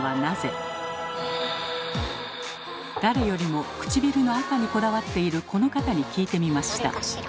誰よりもくちびるの赤にこだわっているこの方に聞いてみました。